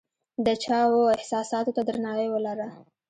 د چا و احساساتو ته درناوی ولره !